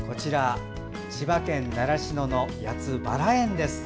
千葉県習志野の谷津バラ園です。